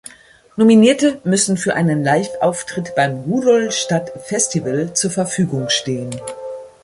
Nominierte müssen für einen Liveauftritt beim Rudolstadt-Festival zur Verfügung stehen.